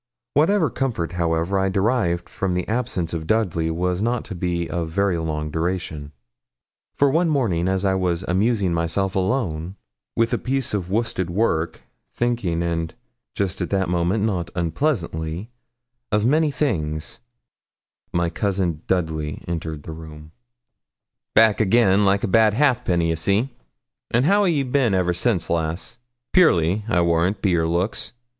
Whatever comfort, however, I derived from the absence of Dudley was not to be of very long duration; for one morning, as I was amusing myself alone, with a piece of worsted work, thinking, and just at that moment not unpleasantly, of many things, my cousin Dudley entered the room. 'Back again, like a bad halfpenny, ye see. And how a' ye bin ever since, lass? Purely, I warrant, be your looks.